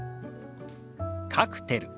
「カクテル」。